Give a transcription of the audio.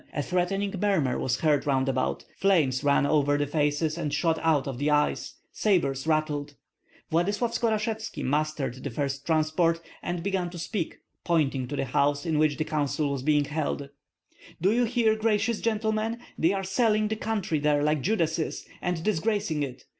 A threatening murmur was heard round about; flames ran over the faces and shot out of the eyes; sabres rattled. Vladyslav Skorashevski mastered the first transport, and began to speak, pointing to the house in which the council was being held, "Do you hear, gracious gentlemen? They are selling the country there like Judases, and disgracing it.